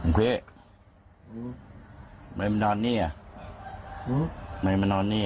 หลวงพี่ทำไมมานอนนี่ทำไมมานอนนี่